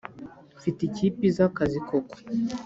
Mfite ikipe izi akazi koko